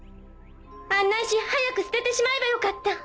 ・あんな石早く捨ててしまえばよかった。